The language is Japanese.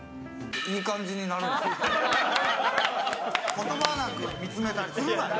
言葉なく見つめたりするなよ。